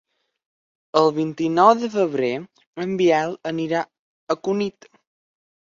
El vint-i-nou de febrer en Biel anirà a Cunit.